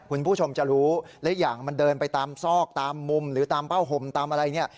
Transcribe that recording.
คุณผู้ชมจะรู้และอย่างมันเดินไปตามซอกตามมุมหรือตามเป้าห่มตามอะไรเนี่ย